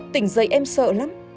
tỉnh dậy em sợ lắm